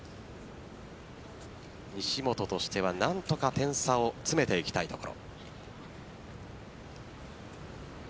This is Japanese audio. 西本としては何とか点差を詰めていきたいところ。